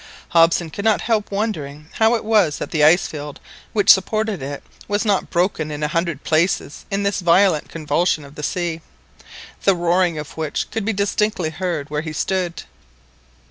Hobson could not help wondering how it was that the ice field which supported it was not broken in a hundred places in this violent convulsion of the sea, the roaring of which could be distinctly heard where he stood.